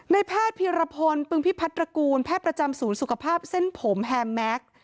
แพทย์พีรพลปึงพิพัฒระกูลแพทย์ประจำศูนย์สุขภาพเส้นผมแฮมแม็กซ์